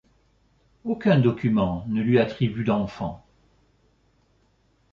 Aucun document ne lui attribue d'enfant.